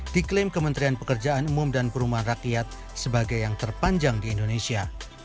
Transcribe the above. diklaim kementerian pekerjaan umum dan perumahan rakyat sebagai yang terpanjang di indonesia